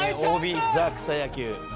ザ草野球」